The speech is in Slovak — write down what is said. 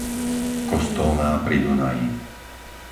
Kostolná pri Dunaji